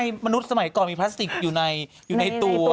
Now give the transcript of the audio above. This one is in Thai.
มนุษย์สมัยก่อนมีพลาสติกอยู่ในตัว